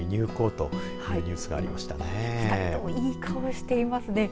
２人ともいい顔していますね。